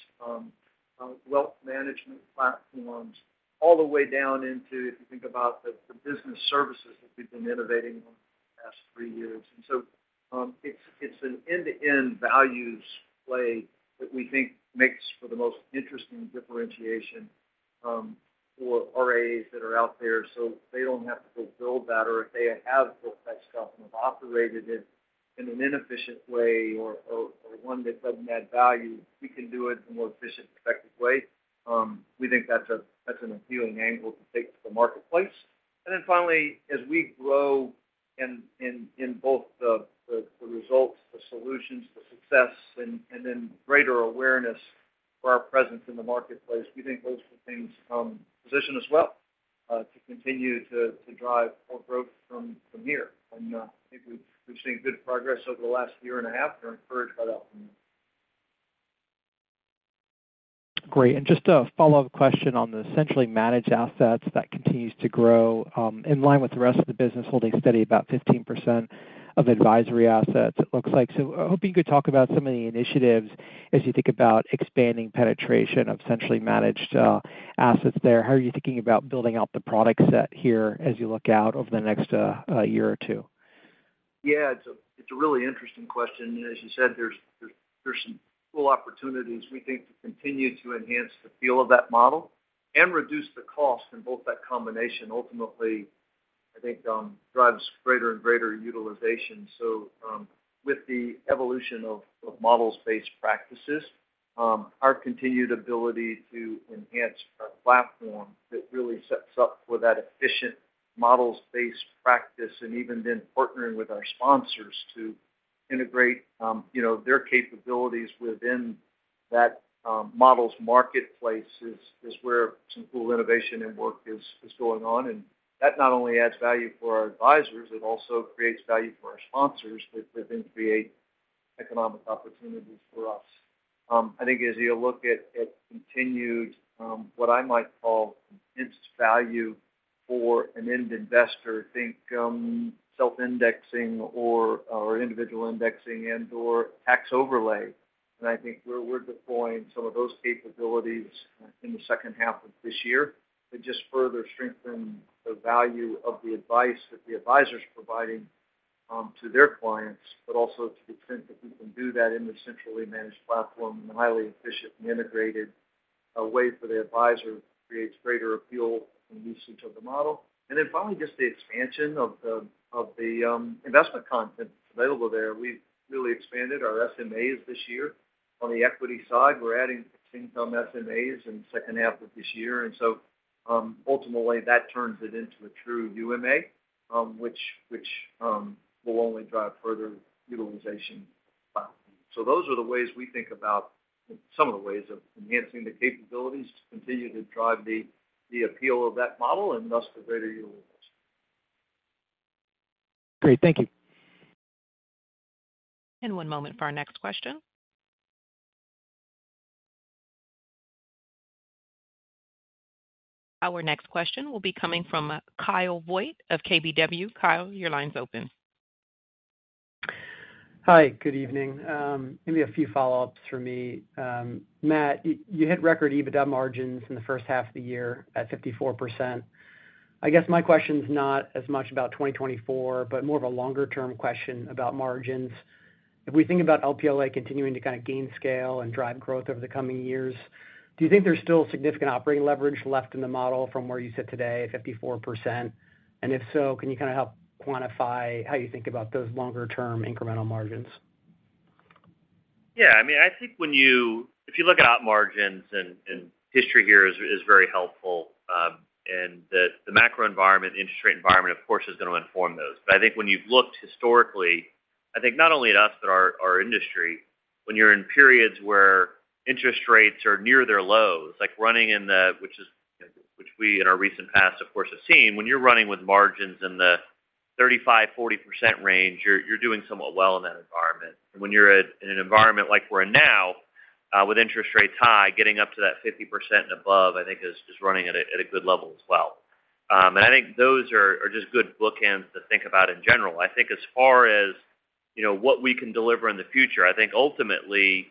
B: wealth management platforms, all the way down into, if you think about the, the business services that we've been innovating on the past three years. It's, it's an end-to-end values play that we think makes for the most interesting differentiation for RIAs that are out there, so they don't have to go build that, or if they have built that stuff and have operated it in an inefficient way or, or, or one that doesn't add value, we can do it in a more efficient, effective way, we think that's a, that's an appealing angle to take to the marketplace. Finally, as we grow in, in, in both the, the, the results, the solutions, the success, and, and then greater awareness for our presence in the marketplace, we think those are the things position us well to continue to, to drive more growth from, from here. I think we've, we've seen good progress over the last year and a half, and are encouraged by that.
H: Great. Just a follow-up question on the centrally managed assets that continues to grow, in line with the rest of the business, holding steady about 15% of advisory assets, it looks like. I hope you could talk about some of the initiatives as you think about expanding penetration of centrally managed assets there. How are you thinking about building out the product set here as you look out over the next year or two?
B: Yeah, it's a, it's a really interesting question. As you said, there's, there's, there's some cool opportunities, we think, to continue to enhance the feel of that model and reduce the cost, and both that combination ultimately, I think, drives greater and greater utilization. With the evolution of, of models-based practices, our continued ability to enhance our platform, that really sets up for that efficient models-based practice, and even then partnering with our sponsors to integrate, you know, their capabilities within that, models marketplace is, is where some cool innovation and work is, is going on. That not only adds value for our advisors, it also creates value for our sponsors, which then create economic opportunities for us. I think as you look at, at continued, what I might call enhanced value for an end investor, think, self-indexing or, or individual indexing and/or tax overlay. I think we're, we're deploying some of those capabilities in the second half of this year, that just further strengthen the value of the advice that the advisor is providing to their clients, but also to the extent that we can do that in the centrally managed platform in a highly efficient and integrated way for the advisor creates greater appeal and usage of the model. Finally, just the expansion of the, of the investment content that's available there. We've really expanded our SMAs this year. On the equity side, we're adding some SMAs in second half of this year. Ultimately, that turns it into a true UMA, which will only drive further utilization. Those are the ways we think about. Some of the ways of enhancing the capabilities to continue to drive the appeal of that model, and thus the greater utilization.
H: Great. Thank you.
A: One moment for our next question. Our next question will be coming from Kyle Voigt of KBW. Kyle, your line's open.
I: Hi, good evening. Maybe a few follow-ups for me. Matt, you hit record EBITDA margins in the first half of the year at 54%. I guess my question is not as much about 2024, but more of a longer-term question about margins. If we think about LPLA continuing to kind of gain scale and drive growth over the coming years, do you think there's still significant operating leverage left in the model from where you sit today at 54%? If so, can you kind of help quantify how you think about those longer-term incremental margins?
C: Yeah, I mean, I think if you look at out margins, and, and history here is, is very helpful, and that the macro environment, interest rate environment, of course, is going to inform those. But I think when you've looked historically, I think not only at us, but our, our industry, when you're in periods where interest rates are near their lows, like running in the, which is, which we, in our recent past, of course, have seen, when you're running with margins in the 35%-40% range, you're, you're doing somewhat well in that environment. When you're at, in an environment like we're in now, with interest rates high, getting up to that 50% and above, I think is, is running at a, at a good level as well. I think those are, are just good bookends to think about in general. I think as far as, you know, what we can deliver in the future, I think ultimately,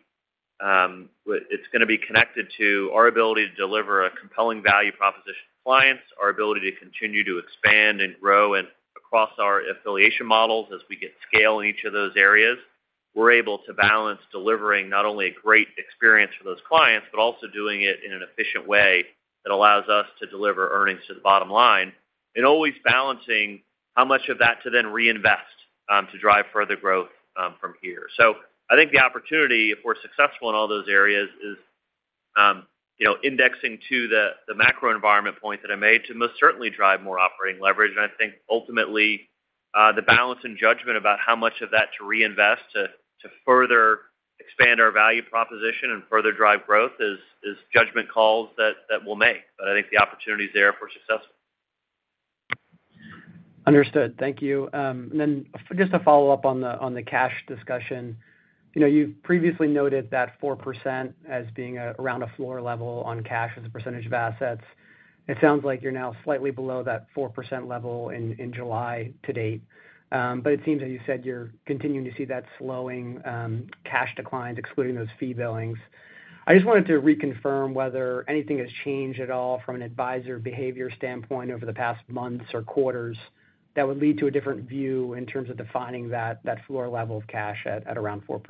C: it's gonna be connected to our ability to deliver a compelling value proposition to clients, our ability to continue to expand and grow. Across our affiliation models, as we get scale in each of those areas, we're able to balance delivering not only a great experience for those clients, but also doing it in an efficient way that allows us to deliver earnings to the bottom line, and always balancing how much of that to then reinvest, to drive further growth from here. I think the opportunity, if we're successful in all those areas, is, you know, indexing to the, the macro environment point that I made, to most certainly drive more operating leverage. I think ultimately, the balance and judgment about how much of that to reinvest, to, to further expand our value proposition and further drive growth is, is judgment calls that, that we'll make, but I think the opportunity is there if we're successful.
I: Understood. Thank you. Just to follow up on the, on the cash discussion. You know, you've previously noted that 4% as being, around a floor level on cash as a percentage of assets. It sounds like you're now slightly below that 4% level in, in July to date. But it seems, as you said, you're continuing to see that slowing, cash declines, excluding those fee billings. I just wanted to reconfirm whether anything has changed at all from an advisor behavior standpoint over the past months or quarters that would lead to a different view in terms of defining that, that floor level of cash at, at around 4%?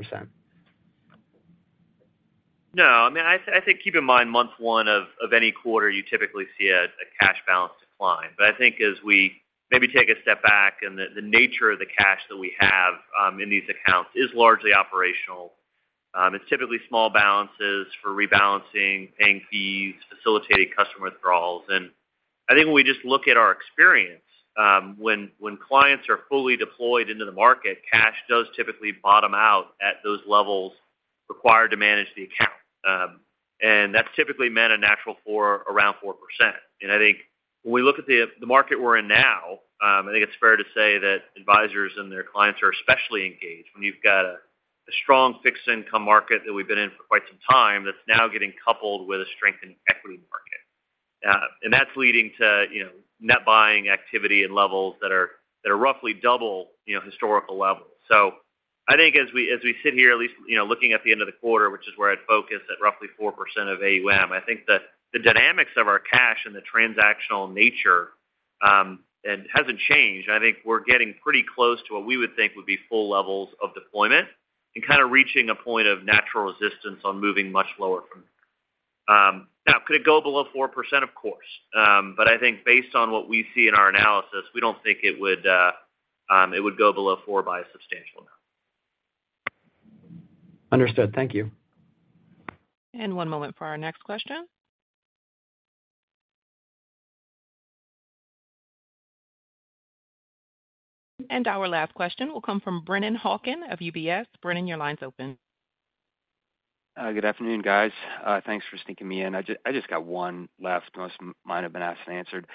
C: No, I mean, I think keep in mind, month one of any quarter, you typically see a cash balance decline. I think as we maybe take a step back and the nature of the cash that we have in these accounts is largely operational. It's typically small balances for rebalancing, paying fees, facilitating customer withdrawals. I think when we just look at our experience, when clients are fully deployed into the market, cash does typically bottom out at those levels required to manage the account. And that's typically meant a natural 4%, around 4%. I think when we look at the market we're in now, I think it's fair to say that advisors and their clients are especially engaged. You've got a strong fixed income market that we've been in for quite some time, that's now getting coupled with a strengthened equity market. That's leading to, you know, net buying activity and levels that are roughly double, you know, historical levels. I think as we, as we sit here, at least, you know, looking at the end of the quarter, which is where I'd focus at roughly 4% of AUM, I think that the dynamics of our cash and the transactional nature, it hasn't changed. I think we're getting pretty close to what we would think would be full levels of deployment and kind of reaching a point of natural resistance on moving much lower from. Now, could it go below 4%? Of course. I think based on what we see in our analysis, we don't think it would, it would go below 4 by a substantial amount.
I: Understood. Thank you.
A: One moment for our next question. Our last question will come from Brennan Hawken of UBS. Brennan, your line's open.
J: Good afternoon, guys. Thanks for sneaking me in. I just, I just got one last. Most might have been asked and answered.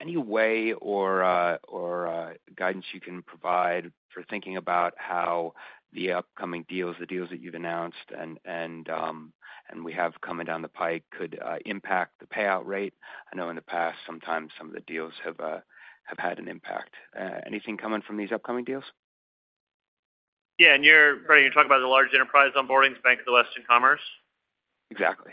J: Any way or, or, guidance you can provide for thinking about how the upcoming deals, the deals that you've announced and, and, and we have coming down the pike, could impact the payout rate? I know in the past, sometimes some of the deals have, have had an impact. Anything coming from these upcoming deals?
C: Yeah, you're, Brennan, you're talking about the large enterprise onboardings, Bank of the West and Commerce?
J: Exactly.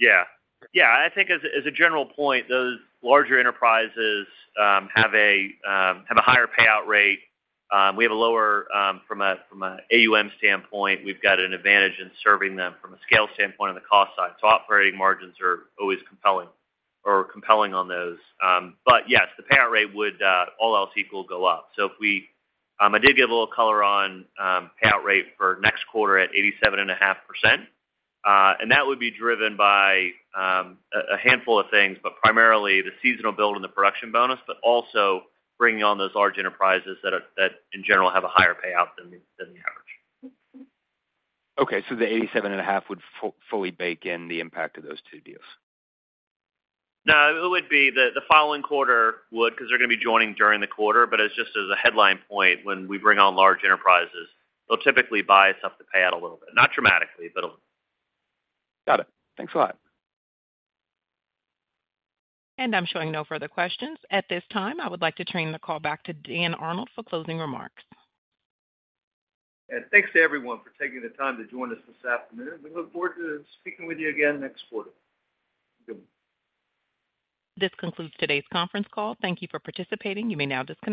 C: Yeah. Yeah, I think as a, as a general point, those larger enterprises have a higher payout rate. We have a lower. From a, from a AUM standpoint, we've got an advantage in serving them from a scale standpoint on the cost side, so operating margins are always compelling or compelling on those. Yes, the payout rate would all else equal, go up. If we-- I did give a little color on payout rate for next quarter at 87.5%. That would be driven by a handful of things, but primarily the seasonal build and the production bonus, but also bringing on those large enterprises that are, that in general, have a higher payout than the average.
J: Okay, the $87.5 would fully bake in the impact of those two deals?
C: No, it would be the following quarter because they're going to be joining during the quarter. As just as a headline point, when we bring on large enterprises, they'll typically buy us up the payout a little bit. Not dramatically, but a little.
J: Got it. Thanks a lot.
A: I'm showing no further questions. At this time, I would like to turn the call back to Dan Arnold for closing remarks.
B: Thanks to everyone for taking the time to join us this afternoon. We look forward to speaking with you again next quarter. Goodbye.
A: This concludes today's Conference Call. Thank you for participating. You may now disconnect.